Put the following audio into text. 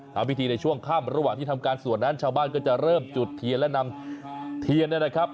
ทำพิธีในช่วงค่ำระหว่างที่ทำการสวดนั้นชาวบ้านก็จะเริ่มจุดเทียนและนำเทียนเนี่ยนะครับ